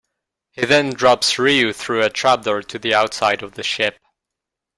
He then drops Ryu through a trap door to the outside of the ship.